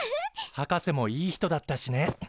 博士もいい人だったしね。